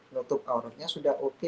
nutup aurotnya sudah oke